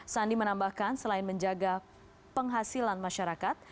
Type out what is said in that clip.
sandi menambahkan selain menjaga penghasilan masyarakat